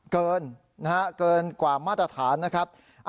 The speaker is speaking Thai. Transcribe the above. เกินกว่ามาตรฐานนะครับ